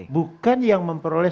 bukan yang memperoleh